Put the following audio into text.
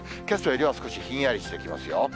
けさよりは少しひんやりしてきますよ。